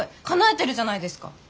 かなえてるじゃないですか。